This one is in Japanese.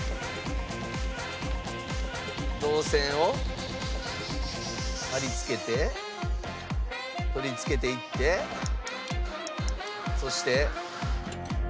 銅線を貼り付けて取り付けていってそして。